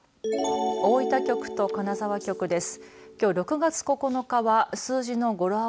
大分局と金沢局です。